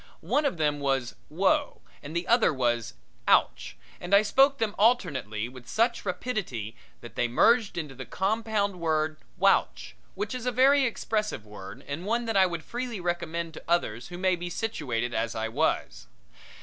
One of them was "Whoa" and the other was "Ouch," and I spoke them alternately with such rapidity that they merged into the compound word "Whouch," which is a very expressive word and one that I would freely recommend to others who may be situated as I was.